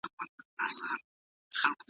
دا لاره د غره په سر تېره شوې ده.